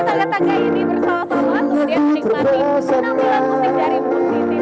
nongkrong cantik penampilan live music di sini